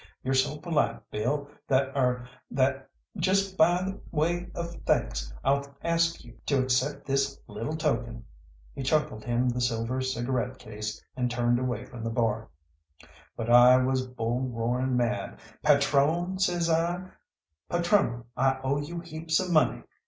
You're so polite, Bill, that er that just by way of thanks I'll ask you to accept this little token." He chucked him the silver cigarette case and turned away from the bar. But I was bull roaring mad. "Patrone," says I, "patrone, I owe you heaps of money.